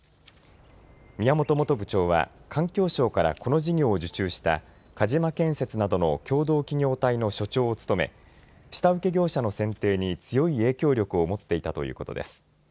宮本元部長は環境省からこの事業を受注した鹿島建設などの共同企業体の所長を務め下請け業者の選定に強い影響力を持っていたということです。